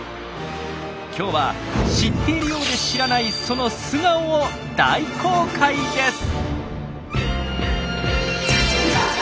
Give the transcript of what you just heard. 今日は知っているようで知らないその素顔を大公開です！